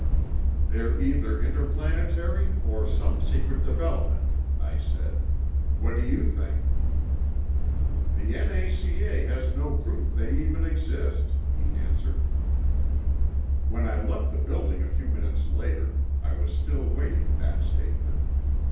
"They're either interplanetary or some secret development," I said. 'What do you think?" "The N.A.C.A. has no proof they even exist," he answered. When I left the building a few minutes later, I was still weighing that statement.